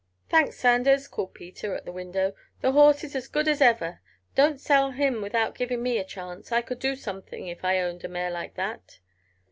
"Thanks, Sanders," called Peter, at the window. "The horse is as good as ever. Don't sell him without giving me a chance. I could do something if I owned a mare like that."